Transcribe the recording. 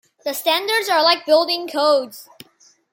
The standards are like building codes.